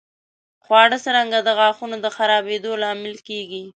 خواړه څرنګه د غاښونو د خرابېدو لامل کېږي؟